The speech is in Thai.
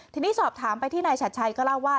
ทีนี้สอบถามไปที่นายฉัดชัยก็เล่าว่า